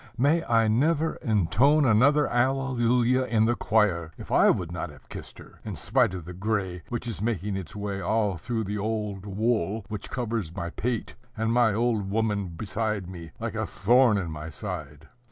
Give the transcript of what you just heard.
may I never intone another alleluia in the choir, if I would not have kissed her, in spite of the gray which is making its way all through the old wool which covers my pate, and my old woman beside me, like a thorn in my side!